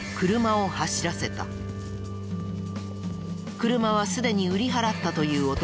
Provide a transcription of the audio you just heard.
車はすでに売り払ったという男。